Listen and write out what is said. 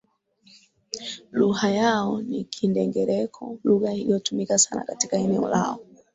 Lugha yao ni Kindengereko lugha inayotumika sana katika eneo lao